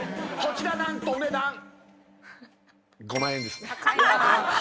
こちらなんとお値段